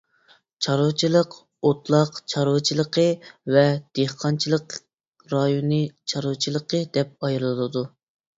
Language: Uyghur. چارۋىچىلىقى ئوتلاق چارۋىچىلىقى ۋە دېھقانچىلىق رايونى چارۋىچىلىقى دەپ ئايرىلىدۇ.